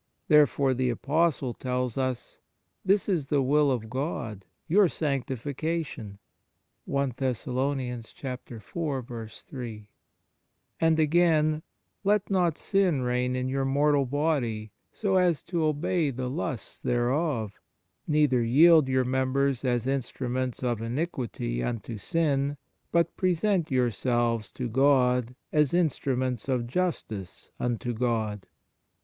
Therefore the Apostle tells us: " This is the will of God, your sanctification. 1 And again: " Let not sin reign in your mortal body, so as to obey the lusts thereof. Neither yield your members as instruments of iniquity unto sin, but present yourselves to God ... as instru ments of justice unto God."